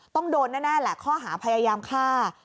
ต้องโดนแน่แหละข้อหาพยายามฆ่า